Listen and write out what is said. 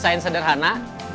bisa bikin desain sederhana